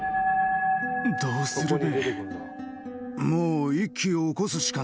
・どうするべ。